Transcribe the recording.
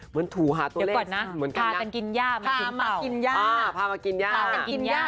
เหมือนถูหาตัวเลขเหมือนกันนะพากันกินย่าพามากินย่า